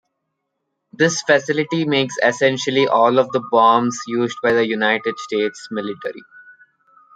This facility makes essentially all of the bombs used by the United States military.